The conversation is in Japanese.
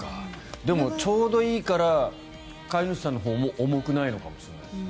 でも、ちょうどいいから飼い主さんのほうも重くないのかもしれないですね。